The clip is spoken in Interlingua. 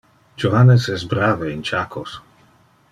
Johannes es brave in chacos.